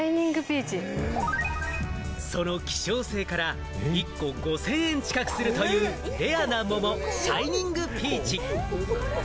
その希少性から１個５０００円近くするというレアな桃、シャイニングピーチ。